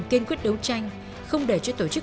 kiên quyết đấu tranh không để cho tổ chức